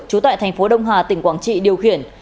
trú tại thành phố đông hà tỉnh quảng trị điều khiển